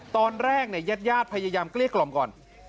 ตอนแรกแยดพยายามเกลี้ยกล่อมก่อน